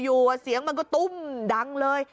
อยู่เสียงมันก็ตุ้มดังเลย